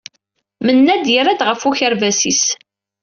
Mennad yerra-d ɣef ukerbas-is.